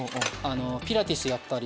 ピラティスやったり。